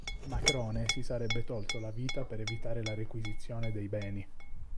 Macrone si sarebbe tolto la vita per evitare la requisizione dei beni.